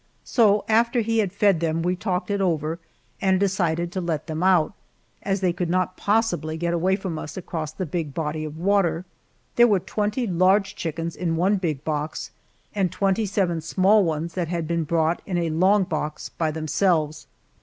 So after he had fed them we talked it over, and decided to let them out, as they could not possibly get away from us across the big body of water. There were twenty large chickens in one big box, and twenty seven small ones that had been brought in a long box by themselves.